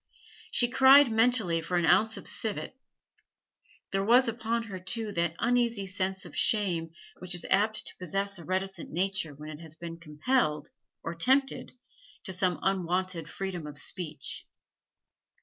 She cried mentally for an ounce of civet. There was upon her, too, that uneasy sense of shame which is apt to possess a reticent nature when it has been compelled, or tempted, to some unwonted freedom of speech.